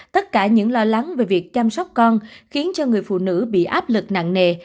tất cả những lo lắng về việc chăm sóc con khiến cho người phụ nữ bị áp lực nặng nề